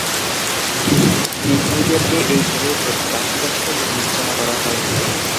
পিগমিদেরকে এই ভূমির প্রথম বাসিন্দা হিসেবে বিবেচনা করা হয়।